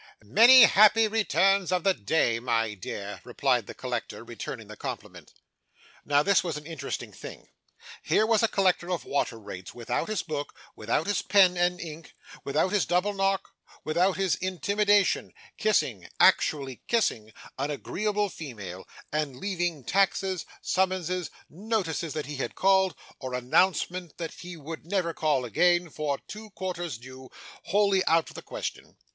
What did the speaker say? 'Many happy returns of the day, my dear,' replied the collector, returning the compliment. Now, this was an interesting thing. Here was a collector of water rates, without his book, without his pen and ink, without his double knock, without his intimidation, kissing actually kissing an agreeable female, and leaving taxes, summonses, notices that he had called, or announcements that he would never call again, for two quarters' due, wholly out of the question.